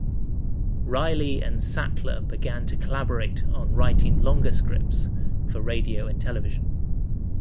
Reilly and Sattler began to collaborate on writing longer scripts for radio and television.